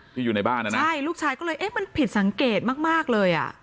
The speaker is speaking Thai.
อยู่ในบ้านนะนะใช่ลูกชายก็เลยเอ๊ะมันผิดสังเกตมากมากเลยอ่ะ